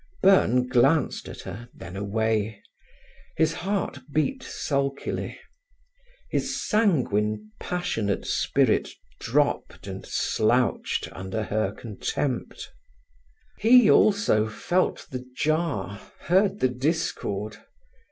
Byrne glanced at her, then away. His heart beat sulkily. His sanguine, passionate spirit dropped and slouched under her contempt. He, also, felt the jar, heard the discord.